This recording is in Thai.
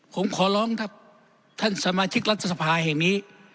ผมขอร้องครับท่านสมาชิกรัฐสภาแห่งนี้